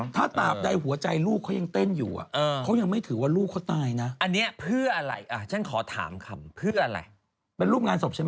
ถ้าตาบใดหัวใจลูกเขายังเต้นอยู่